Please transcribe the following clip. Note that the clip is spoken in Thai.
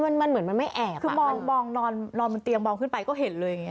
เออมันเหมือนมันไม่แอบอะคือมองนอนเป็นเตียงมองขึ้นไปก็เห็นเลย